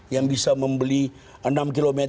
yang bisa membeli enam km